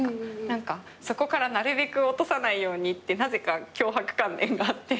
何かそこからなるべく落とさないようにってなぜか強迫観念があって。